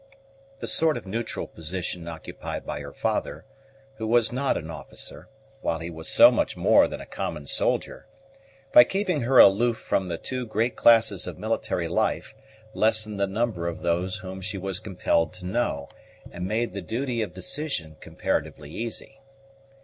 The sort of neutral position occupied by her father, who was not an officer, while he was so much more than a common soldier, by keeping her aloof from the two great classes of military life, lessened the number of those whom she was compelled to know, and made the duty of decision comparatively easy.